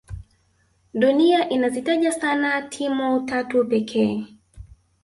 dunia inazitaja sana timu tatu pekee